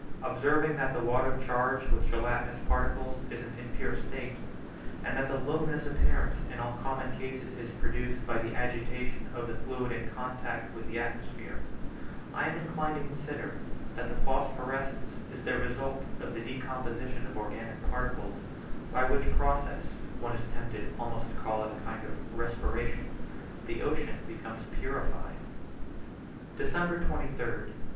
Observing that the water charged with gelatinous particles is in an impure state, and that the luminous appearance in all common cases is produced by the agitation of the fluid in contact with the atmosphere, I am inclined to consider that the phosphorescence is the result of the decomposition of the organic particles, by which process (one is tempted almost to call it a kind of respiration) the ocean becomes purified. December 23rd.